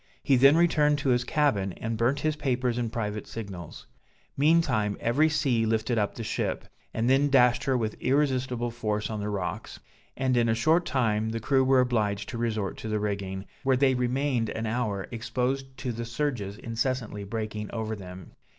He then returned to his cabin, and burnt his papers and private signals. Meantime every sea lifted up the ship, and then dashed her with irresistible force on the rocks; and in a short time, the crew were obliged to resort to the rigging, where they remained an hour, exposed to the surges incessantly breaking over them.